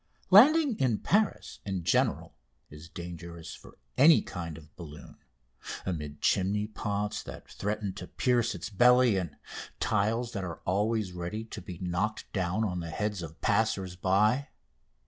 Landing in Paris, in general, is dangerous for any kind of balloon, amid chimney pots that threaten to pierce its belly, and tiles that are always ready to be knocked down on the heads of passers by.